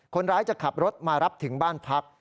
คนร้ายจะขับรถมารับถึงบ้านพัก